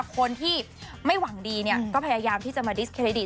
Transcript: คนที่ไม่หวังดีเนี่ยก็พยายามที่จะมาดิสเครดิต